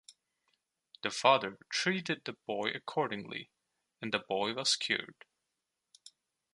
The father treated the boy accordingly, and the boy was cured.